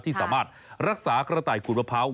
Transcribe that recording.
ที่สามารถรักษากระต่ายขูดมะพร้าว